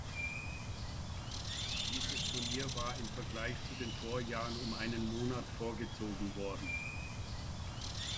Dieses Turnier war im Vergleich zu den Vorjahren um einen Monat vorgezogen worden.